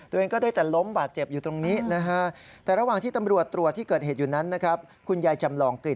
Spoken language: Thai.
พร้อมกับกระดาษที่จดทะเบียบรถผ่วงเอาไว้